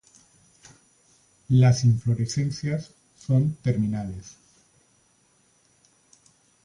Las inflorescencias son terminales.